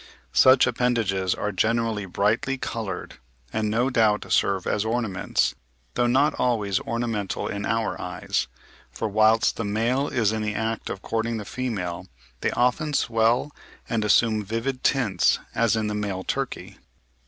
Such appendages are generally brightly coloured, and no doubt serve as ornaments, though not always ornamental in our eyes; for whilst the male is in the act of courting the female, they often swell and assume vivid tints, as in the male turkey.